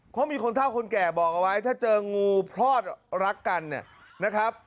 เพราะมีคนเท่าคนแก่บอกเอาไว้ถ้าเจองูพลอดรักกันเนี่ยนะครับ